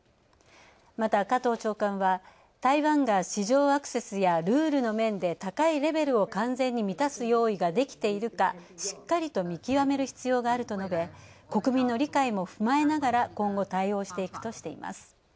また、加藤長官は台湾が市場アクセスやルールの面で高いレベルを完全に満たす用意ができているかしっかりと見極める必要があると述べ国民の理解も踏まえながら今後、対応していくとしています。